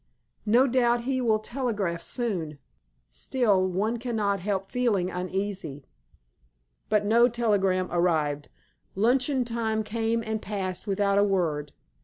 "No doubt he will telegraph soon. Still, one cannot help feeling uneasy." But no telegram arrived. Luncheon time came and passed without a word.